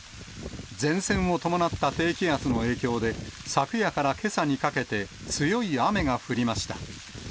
前線を伴った低気圧の影響で、昨夜からけさにかけて、強い雨が降りました。